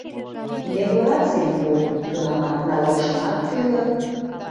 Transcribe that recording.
Декларацийым пу, тунамак налогшымат тӱлӧ.